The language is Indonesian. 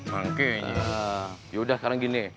yaudah sekarang gini